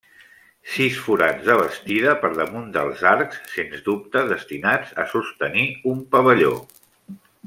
Sis forats de bastida per damunt dels arcs, sens dubte destinats a sostenir un pavelló.